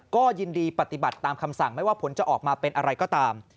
ก็ยินดีปฏิบัติตามคำสั่งไม่ว่าผลจะออกมาเป็นอะไรก็ตาม